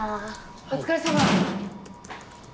お疲れさま。